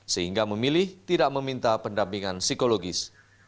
sehingga memilih tidak meminta pendampingan psikologis